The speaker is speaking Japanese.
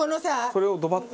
それをドバッと？